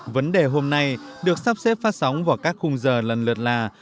vấn đề hôm nay được sắp xếp phát sóng vào các khung giờ lần lượt là